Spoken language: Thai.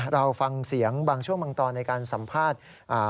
เราฟังเสียงบางช่วงบางตอนในการสัมภาษณ์